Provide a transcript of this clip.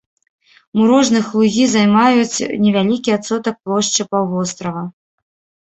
Мурожных лугі займаюць невялікі адсотак плошчы паўвострава.